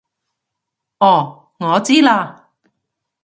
哦我知喇